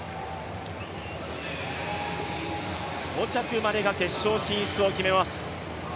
５着までが決勝進出を決めます。